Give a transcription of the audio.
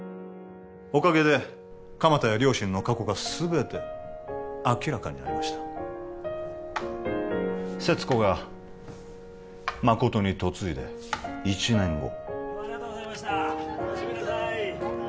おかげで鎌田や両親の過去が全て明らかになりました勢津子が誠に嫁いで１年後どうもありがとうございましたおやすみなさい